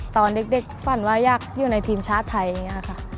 ตอนเด็กฝันว่าอยากอยู่ในทีมชาติไทยอย่างนี้ค่ะ